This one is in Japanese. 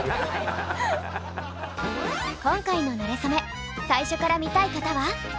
今回の「なれそめ」最初から見たい方は？